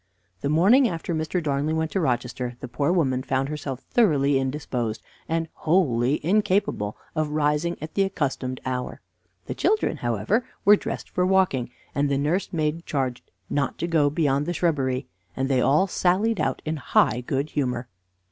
The morning after Mr. Darnley went to Rochester the poor woman found herself thoroughly indisposed, and wholly incapable of rising at the accustomed hour. The children, however, were dressed for walking, and the nurse maid charged not to go beyond the shrubbery, and they all sallied out in high good humor.